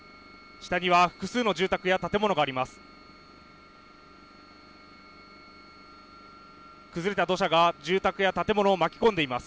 下には複数の住宅や建物があります。